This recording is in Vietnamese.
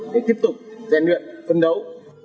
để tiếp tục rèn luyện phân đấu